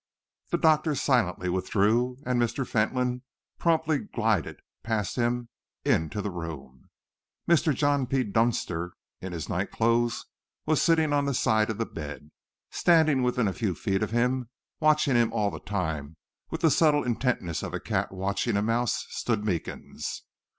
The doctor silently withdrew, and Mr. Fentolin promptly glided past him into the room. Mr. John P. Dunster, in his night clothes, was sitting on the side of the bed. Standing within a few feet of him, watching him all the time with the subtle intentness of a cat watching a mouse, stood Meekins.